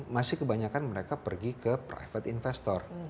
masih kebanyakan mereka pergi ke private investor